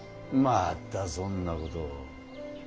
まぁたそんなことを。